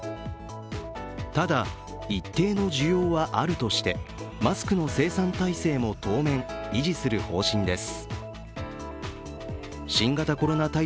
ただ、一定の需要はあるとしてマスクの生産体制も当面、維持する方針です。